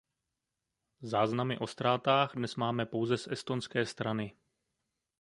Záznamy o ztrátách dnes máme pouze z estonské strany.